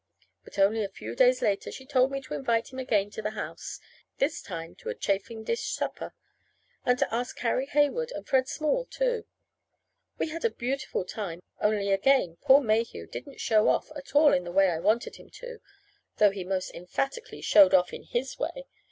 But only a few days later she told me to invite him again to the house (this time to a chafing dish supper), and to ask Carrie Heywood and Fred Small, too. We had a beautiful time, only again Paul Mayhew didn't "show off" at all in the way I wanted him to though he most emphatically "showed off" in his way!